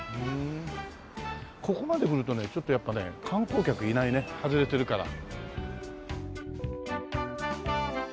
ここまで来るとねちょっとやっぱね観光客いないね外れてるから。